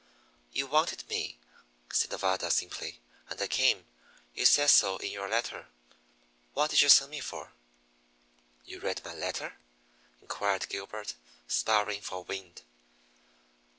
"You wanted me," said Nevada simply, "and I came. You said so in your letter. What did you send for me for?" "You read my letter?" inquired Gilbert, sparring for wind.